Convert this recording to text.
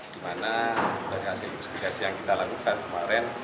dimana dari hasil investigasi yang kita lakukan kemarin